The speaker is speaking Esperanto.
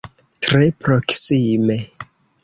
Tre proksime.